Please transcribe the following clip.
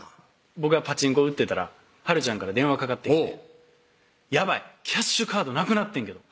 僕がパチンコ打ってたらはるちゃんから電話かかってきて「やばいキャッシュカードなくなってんけど」